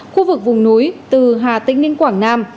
khu vực vùng núi từ hà tĩnh đến quảng nam